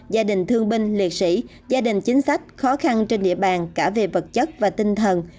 gia đình thương binh liệt sĩ gia đình chính sách khó khăn trên địa bàn cả về vật chất và tinh thần